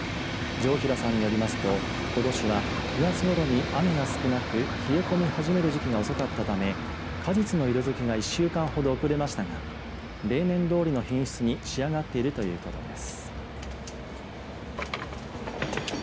城平さんによりますとことしは９月ごろに雨が少なく冷え込み始める時期が遅かったため果実の色づきが１週間ほど遅れましたが例年どおりの品質に仕上がっているということです。